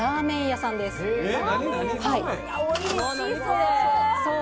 おいしそう！